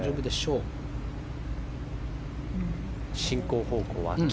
進行方向は北。